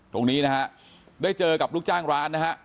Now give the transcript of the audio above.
ตรงนี้นะฮะได้เจอกับลูกจ้างร้านนะฮะ